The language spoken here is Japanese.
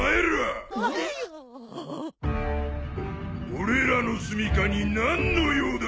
俺らのすみかに何の用だ？